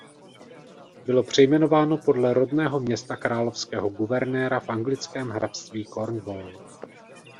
Bylo přejmenováno podle rodného města královského guvernéra v anglickém hrabství Cornwall.